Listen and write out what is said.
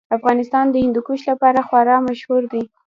افغانستان د هندوکش لپاره خورا مشهور دی.